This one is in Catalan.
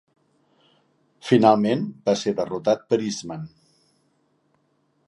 Finalment va ser derrotat per Iceman.